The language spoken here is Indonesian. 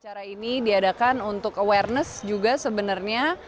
cara ini diadakan untuk awareness juga sebenernya